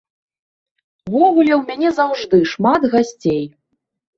Увогуле ў мяне заўжды шмат гасцей.